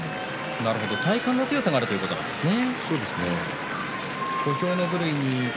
体幹の強さがあるということですね。